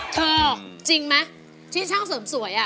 จริงไหมที่ช่างเสริมสวย